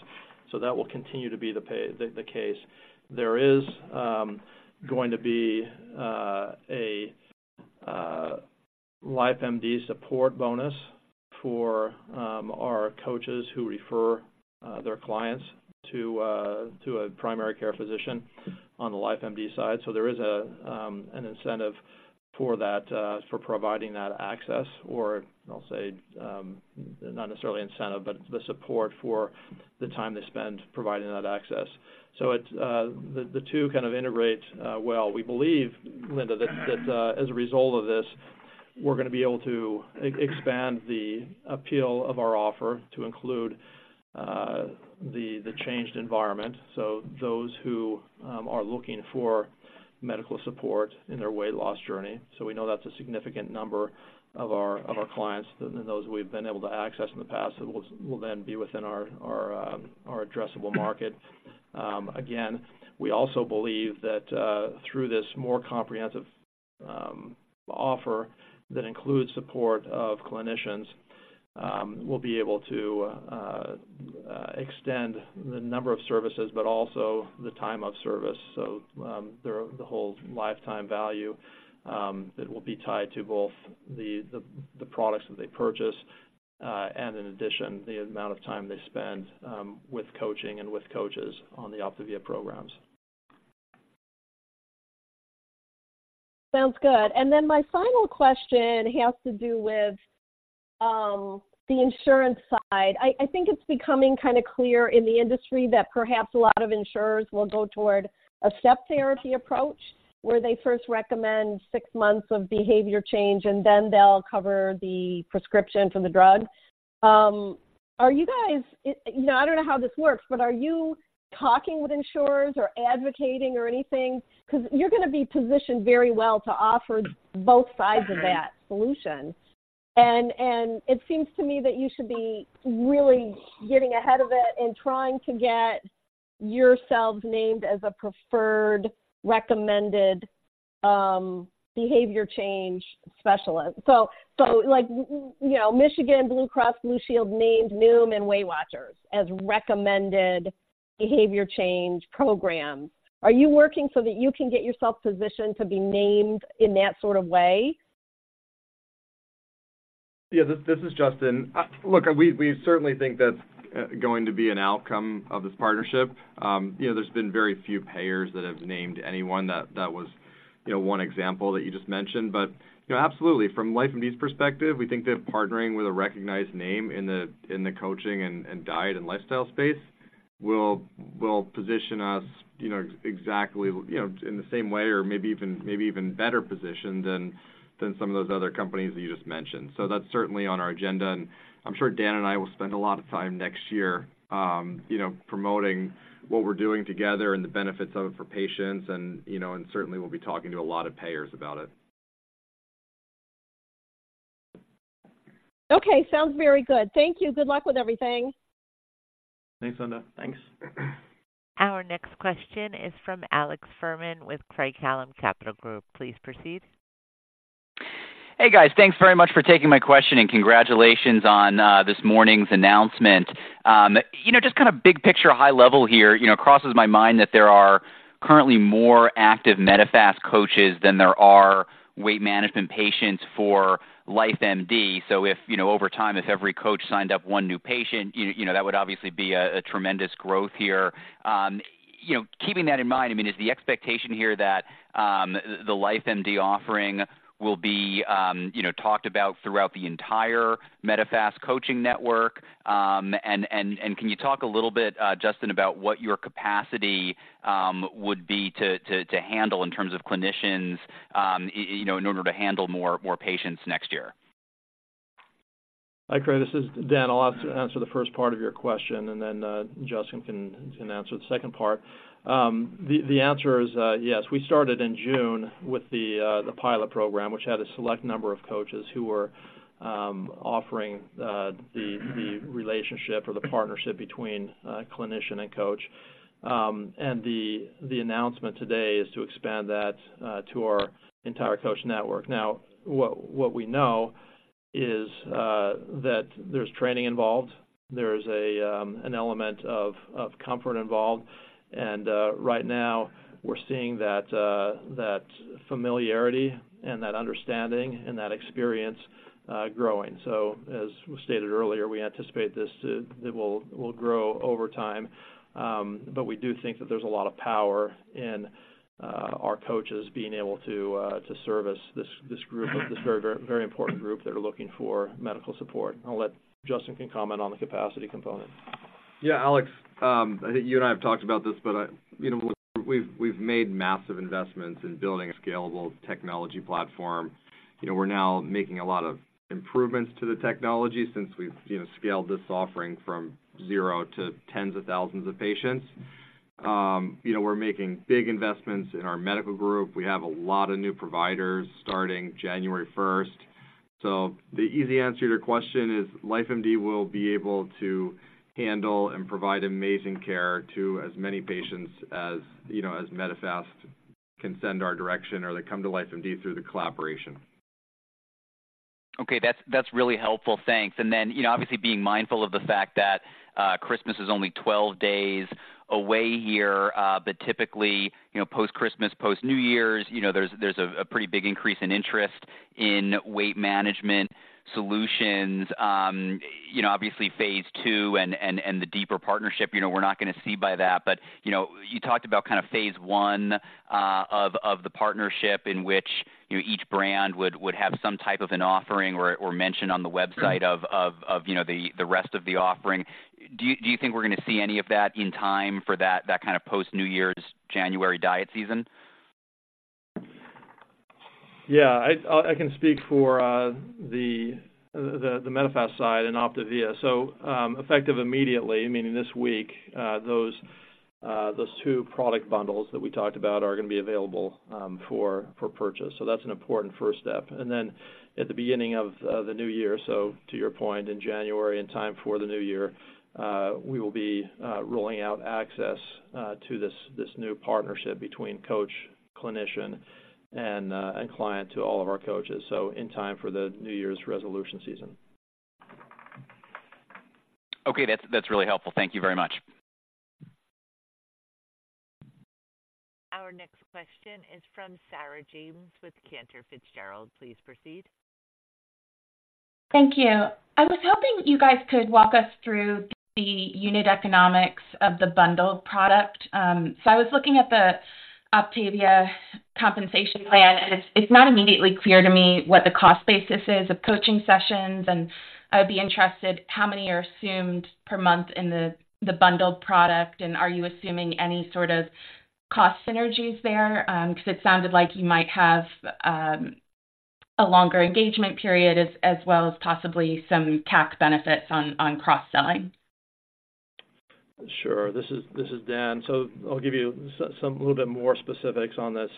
So that will continue to be the case. There is going to be a LifeMD Support Bonus for our coaches who refer their clients to a primary care physician on the LifeMD side. So there is an incentive for that for providing that access, or I'll say, not necessarily incentive, but the support for the time they spend providing that access. So it's the two kind of integrate well. We believe, Linda, that as a result of this, we're gonna be able to expand the appeal of our offer to include the changed environment, so those who are looking for medical support in their weight loss journey. So we know that's a significant number of our clients than those we've been able to access in the past, will then be within our addressable market. Again, we also believe that through this more comprehensive offer that includes support of clinicians, we'll be able to extend the number of services, but also the time of service. So, the whole lifetime value, it will be tied to both the products that they purchase, and in addition, the amount of time they spend with coaching and with coaches on the OPTAVIA programs. Sounds good. And then my final question has to do with the insurance side. I think it's becoming kind of clear in the industry that perhaps a lot of insurers will go toward a step therapy approach, where they first recommend six months of behavior change, and then they'll cover the prescription for the drug. Are you guys, you know, I don't know how this works, but are you talking with insurers or advocating or anything? 'Cause you're gonna be positioned very well to offer both sides of that solution. And it seems to me that you should be really getting ahead of it and trying to get yourselves named as a preferred, recommended behavior change specialist. So, like, you know, Michigan Blue Cross Blue Shield named Noom and Weight Watchers as recommended behavior change programs. Are you working so that you can get yourself positioned to be named in that sort of way? Yeah, this, this is Justin. Look, we, we certainly think that's going to be an outcome of this partnership. You know, there's been very few payers that have named anyone. That, that was, you know, one example that you just mentioned. But, you know, absolutely, from LifeMD's perspective, we think that partnering with a recognized name in the, in the coaching and, and diet and lifestyle space will, will position us, you know, exactly, you know, in the same way or maybe even, maybe even better positioned than, than some of those other companies that you just mentioned. So that's certainly on our agenda, and I'm sure Dan and I will spend a lot of time next year, you know, promoting what we're doing together and the benefits of it for patients. You know, and certainly we'll be talking to a lot of payers about it. Okay. Sounds very good. Thank you. Good luck with everything. Thanks, Linda. Thanks. Our next question is from Alex Fuhrman with Craig-Hallum Capital Group. Please proceed. Hey, guys. Thanks very much for taking my question, and congratulations on this morning's announcement. You know, just kind of big picture, high level here, you know, crosses my mind that there are currently more active Medifast coaches than there are weight management patients for LifeMD. So if, you know, over time, if every coach signed up one new patient, you know, that would obviously be a tremendous growth here. You know, keeping that in mind, I mean, is the expectation here that the LifeMD offering will be, you know, talked about throughout the entire Medifast coaching network? And can you talk a little bit, Justin, about what your capacity would be to handle in terms of clinicians, you know, in order to handle more patients next year? Hi, Craig. This is Dan. I'll answer the first part of your question, and then Justin can answer the second part. The answer is yes. We started in June with the pilot program, which had a select number of coaches who were offering the relationship or the partnership between clinician and Coach. And the announcement today is to expand that to our entire coach network. Now, what we know is that there's training involved. There is an element of comfort involved, and right now we're seeing that that familiarity and that understanding and that experience growing. So as stated earlier, we anticipate this to... It will grow over time. But we do think that there's a lot of power in our coaches being able to to service this this very very important group that are looking for medical support. I'll let Justin can comment on the capacity component. Yeah, Alex, I think you and I have talked about this, but, you know, we've made massive investments in building a scalable technology platform. You know, we're now making a lot of improvements to the technology since we've, you know, scaled this offering from zero to tens of thousands of patients. You know, we're making big investments in our medical group. We have a lot of new providers starting January first. So the easy answer to your question is LifeMD will be able to handle and provide amazing care to as many patients as, you know, as Medifast can send our direction or that come to LifeMD through the collaboration. Okay, that's really helpful. Thanks. And then, you know, obviously, being mindful of the fact that Christmas is only 12 days away here, but typically, you know, post-Christmas, post-New Year's, you know, there's a pretty big increase in interest in weight management solutions. You know, obviously, phase II and the deeper partnership, you know, we're not going to see by that. But, you know, you talked about kind of phase I of the partnership in which, you know, each brand would have some type of an offering or mention on the website of the rest of the offering. Do you think we're going to see any of that in time for that kind of post-New Year's, January diet season? Yeah. I can speak for the Medifast side and OPTAVIA. So, effective immediately, meaning this week, those two product bundles that we talked about are going to be available for purchase. So that's an important first step. And then at the beginning of the new year, so to your point, in January, in time for the New Year, we will be rolling out access to this new partnership between coach, clinician, and client to all of our coaches, so in time for the New Year's resolution season. Okay, that's, that's really helpful. Thank you very much. Our next question is from Sarah James with Cantor Fitzgerald. Please proceed. Thank you. I was hoping you guys could walk us through the unit economics of the bundled product. So, I was looking at the OPTAVIA compensation plan-... It's not immediately clear to me what the cost basis is of coaching sessions, and I would be interested how many are assumed per month in the bundled product? And are you assuming any sort of cost synergies there? Because it sounded like you might have a longer engagement period as well as possibly some tax benefits on cross-selling. Sure. This is Dan. So I'll give you some a little bit more specifics on this.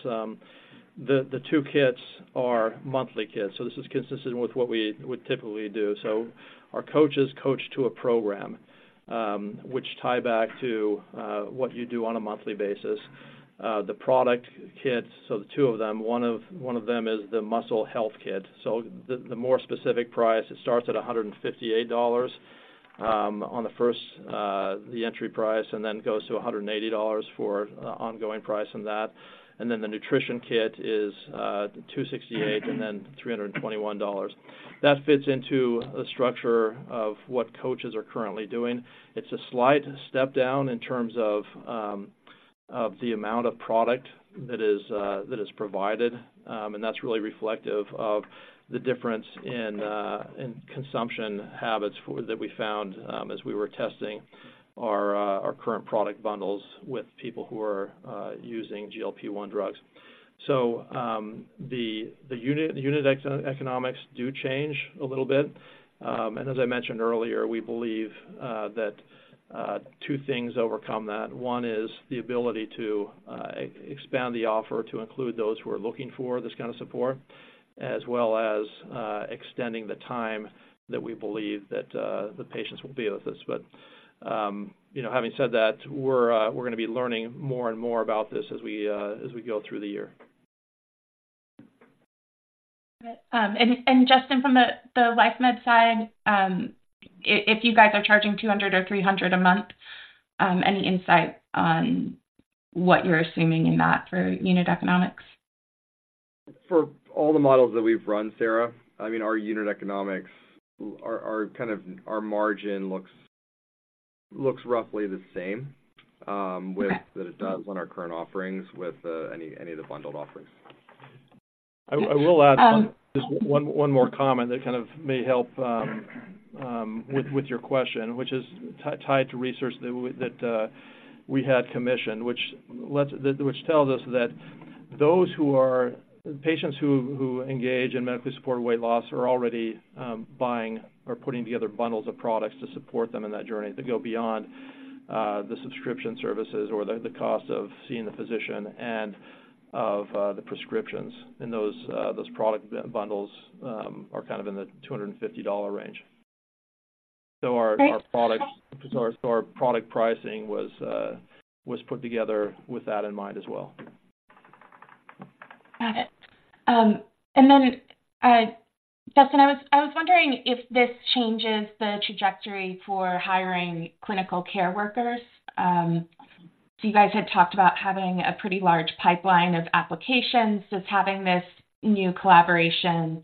The two kits are monthly kits, so this is consistent with what we would typically do. So our coaches coach to a program, which tie back to what you do on a monthly basis. The product kits, so the two of them, one of them is the Muscle Health Kit. So the more specific price, it starts at $158 on the first, the entry price, and then goes to $180 for ongoing price on that. And then the Nutrition Kit is $268 and then $321. That fits into a structure of what coaches are currently doing. It's a slight step down in terms of of the amount of product that is that is provided. And that's really reflective of the difference in consumption habits for that we found as we were testing our current product bundles with people who are using GLP-1 drugs. So, the unit economics do change a little bit. And as I mentioned earlier, we believe that two things overcome that. One is the ability to expand the offer to include those who are looking for this kind of support, as well as extending the time that we believe that the patients will be with us. But you know, having said that, we're gonna be learning more and more about this as we go through the year. And Justin, from the LifeMD side, if you guys are charging $200 or $300 a month, any insight on what you're assuming in that for unit economics? For all the models that we've run, Sarah, I mean, our unit economics are kind of, our margin looks roughly the same. Okay... with that it does on our current offerings, with any of the bundled offerings. I will add. Um- Just one more comment that kind of may help with your question, which is tied to research that we had commissioned, which tells us that patients who engage in medically supported weight loss are already buying or putting together bundles of products to support them in that journey, that go beyond the subscription services or the cost of seeing the physician and of the prescriptions. And those product bundles are kind of in the $250 range. Great. So our product pricing was put together with that in mind as well. Got it. And then, Justin, I was wondering if this changes the trajectory for hiring clinical care workers. So you guys had talked about having a pretty large pipeline of applications. Does having this new collaboration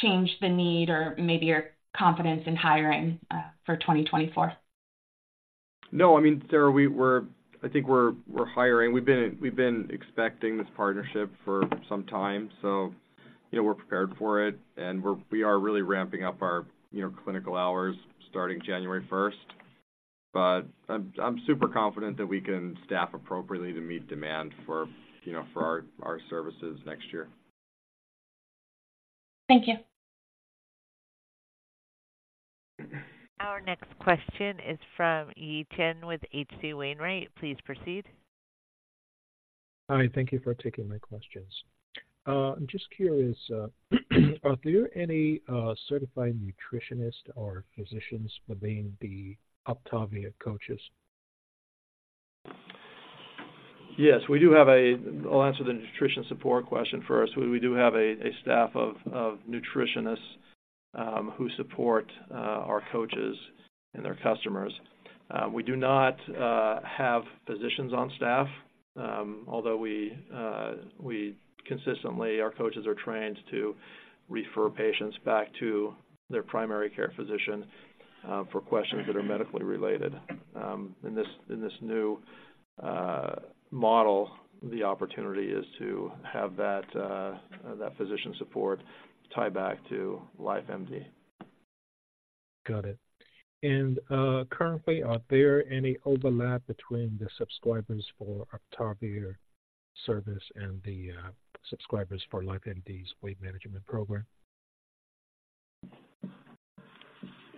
change the need or maybe your confidence in hiring for 2024? No. I mean, Sarah, we're hiring. We've been expecting this partnership for some time, so, you know, we're prepared for it, and we are really ramping up our, you know, clinical hours starting January 1st. But I'm super confident that we can staff appropriately to meet demand for, you know, for our services next year. Thank you. Our next question is from Yi Chen with H.C. Wainwright. Please proceed. Hi, thank you for taking my questions. I'm just curious, are there any certified nutritionists or physicians within the OPTAVIA Coaches? Yes, we do have a... I'll answer the nutrition support question first. We do have a staff of nutritionists who support our coaches and their customers. We do not have physicians on staff, although consistently our coaches are trained to refer patients back to their primary care physician for questions that are medically related. In this new model, the opportunity is to have that physician support tie back to LifeMD. Got it. And, currently, are there any overlap between the subscribers for OPTAVIA service and the subscribers for LifeMD's weight management program?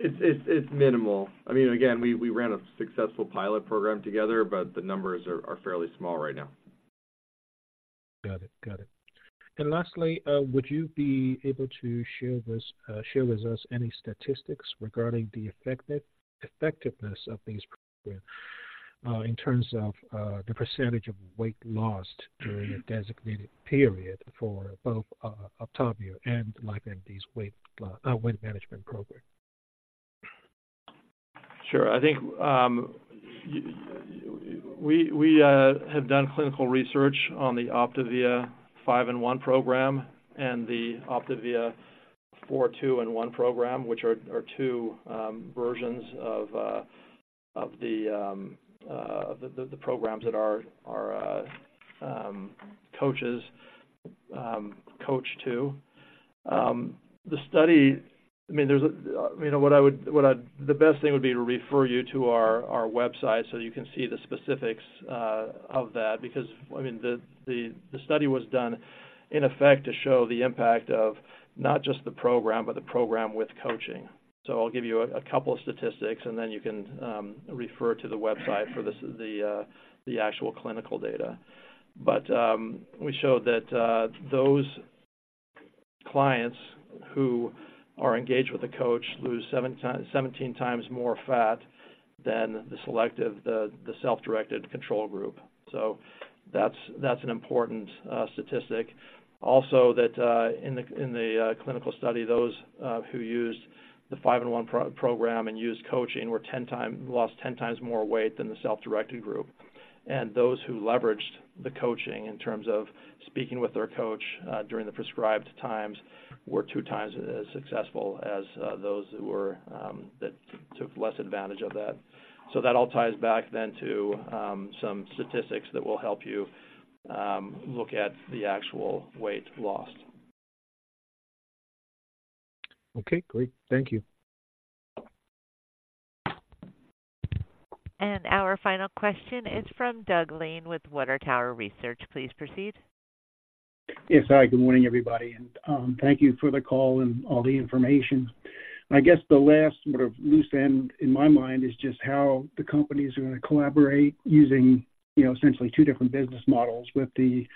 It's minimal. I mean, again, we ran a successful pilot program together, but the numbers are fairly small right now. Got it. Got it. Lastly, would you be able to share with us any statistics regarding the effectiveness of these program in terms of the percentage of weight lost during a designated period for both OPTAVIA and LifeMD's weight management program? Sure. I think we have done clinical research on the OPTAVIA 5 & 1 Plan and the OPTAVIA 4 & 2 & 1 Plan, which are two versions of the programs that our coaches coach to. The study, I mean, you know, the best thing would be to refer you to our website so you can see the specifics of that. Because, I mean, the study was done in effect to show the impact of not just the program, but the program with coaching. So I'll give you a couple of statistics, and then you can refer to the website for the actual clinical data. But we showed that those clients who are engaged with a coach lose 7x, 17x more fat than the self-directed control group. That's an important statistic. Also, in the clinical study, those who used the 5 & 1 program and used coaching lost 10x more weight than the self-directed group. And those who leveraged the coaching in terms of speaking with their coach during the prescribed times were 2x as successful as those that took less advantage of that. That all ties back then to some statistics that will help you look at the actual weight lost. Okay, great. Thank you. Our final question is from Doug Lane with Water Tower Research. Please proceed. Yes. Hi, good morning, everybody, and thank you for the call and all the information. I guess the last sort of loose end in my mind is just how the companies are gonna collaborate using, you know, essentially two different business models with the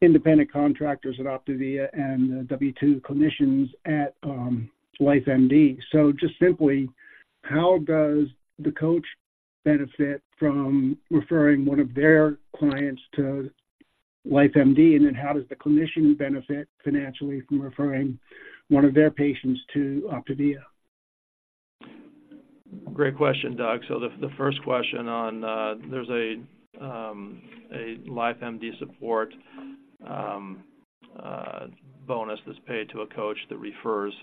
independent contractors at OPTAVIA and the W-2 clinicians at LifeMD. So just simply, how does the coach benefit from referring one of their clients to LifeMD? And then how does the clinician benefit financially from referring one of their patients to OPTAVIA? Great question, Doug. So the first question on, there's a LifeMD Support Bonus that's paid to a coach that refers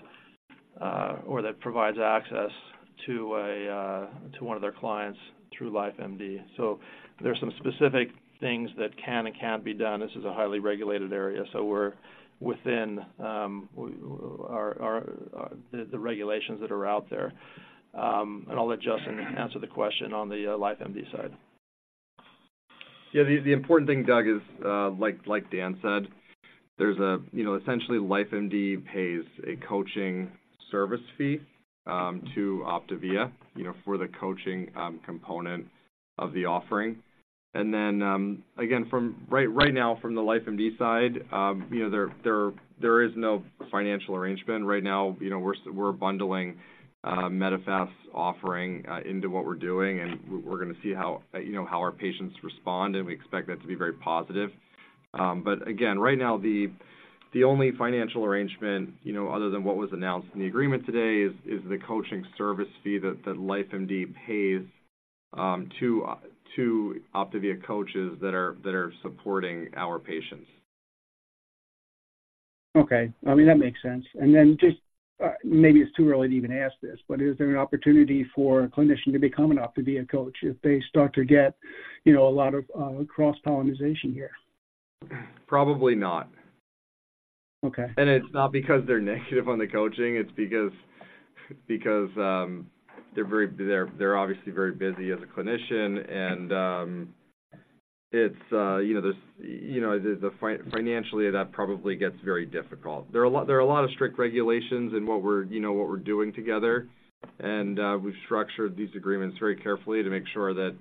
or that provides access to one of their clients through LifeMD. So there's some specific things that can and can't be done. This is a highly regulated area, so we're within the regulations that are out there. And I'll let Justin answer the question on the LifeMD side. Yeah, the important thing, Doug, is, like Dan said, there's a, you know, essentially, LifeMD pays a Coaching Service Fee to OPTAVIA, you know, for the coaching component of the offering. And then, again, from right now, from the LifeMD side, you know, there is no financial arrangement. Right now, you know, we're bundling Medifast's offering into what we're doing, and we're gonna see how, you know, how our patients respond, and we expect that to be very positive. But again, right now, the only financial arrangement, you know, other than what was announced in the agreement today, is the Coaching Service Fee that LifeMD pays to OPTAVIA Coaches that are supporting our patients. Okay. I mean, that makes sense. And then, just, maybe it's too early to even ask this, but is there an opportunity for a clinician to become an OPTAVIA Coach if they start to get, you know, a lot of, cross-pollination here? Probably not. Okay. It's not because they're negative on the coaching. It's because they're very obviously very busy as a clinician, and it's you know, there's you know, financially that probably gets very difficult. There are a lot of strict regulations in what we're you know what we're doing together, and we've structured these agreements very carefully to make sure that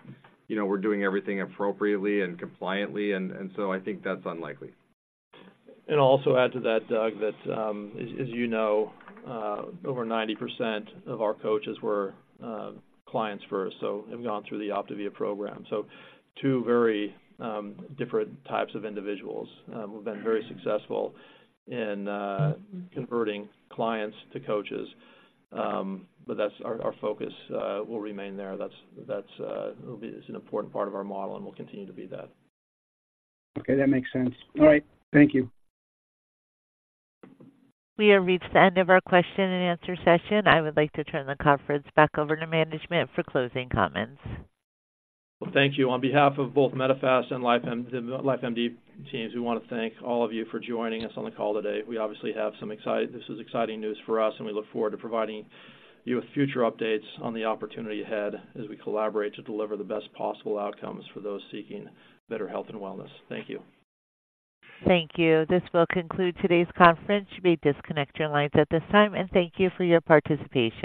you know, we're doing everything appropriately and compliantly, and so I think that's unlikely. I'll also add to that, Doug, that as you know, over 90% of our coaches were clients first, so have gone through the OPTAVIA program. So two very different types of individuals. We've been very successful in converting clients to coaches. But that's our focus will remain there. That's. It's an important part of our model and will continue to be that. Okay, that makes sense. All right. Thank you. We have reached the end of our question-and-answer session. I would like to turn the conference back over to management for closing comments. Well, thank you. On behalf of both Medifast and LifeMD teams, we want to thank all of you for joining us on the call today. This is exciting news for us, and we look forward to providing you with future updates on the opportunity ahead as we collaborate to deliver the best possible outcomes for those seeking better health and wellness. Thank you. Thank you. This will conclude today's conference. You may disconnect your lines at this time, and thank you for your participation.